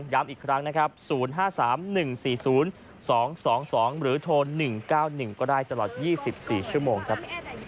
ย้ำอีกครั้งนะครับ๐๕๓๑๔๐๒๒๒หรือโทร๑๙๑ก็ได้ตลอด๒๔ชั่วโมงครับ